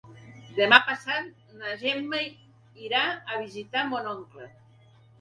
Demà passat na Gemma irà a visitar mon oncle.